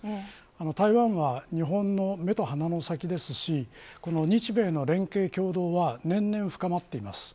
台湾は日本の目と鼻の先ですし日米の連携協働は年々深まっています。